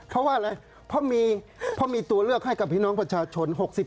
เพราะว่าอะไรเพราะมีตัวเลือกให้กับพี่น้องประชาชน